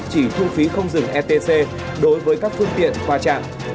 chỉ thu phí không dừng etc đối với các phương tiện qua trạm